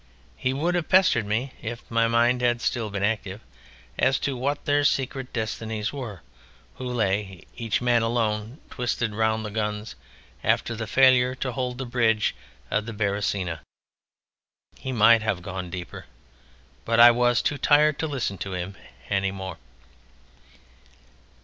He would have pestered me, if my mind had still been active, as to what their secret destinies were who lay, each man alone, twisted round the guns after the failure to hold the Bridge of the Beresina. He might have gone deeper, but I was too tired to listen to him any more.